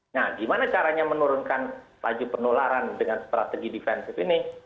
nah gimana caranya menurunkan laju penularan dengan strategi defensif ini